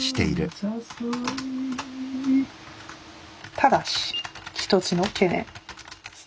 ただし１つの懸念。